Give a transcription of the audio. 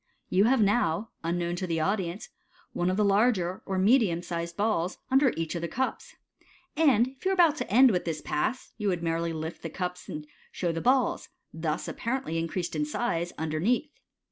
You now have, unknown to the audience, one of the larger, or medium sized balls under each of the cups j and if you were about to end with this Pass, you would merely lift the cups and show the balls, thus apparently increased in size, underneath.